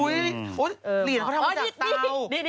อุ๊ยเหรียญเขาทำจากเตา